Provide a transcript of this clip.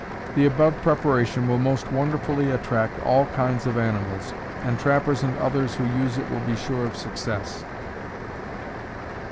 The above preparation will most wonderfully attract all kinds of animals, and trappers and others who use it will be sure of success.